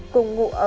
cùng ngụ ở